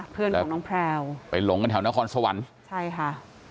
เพื่อนของน้องแพลวไปหลงกันแถวนครสวรรค์ใช่ค่ะ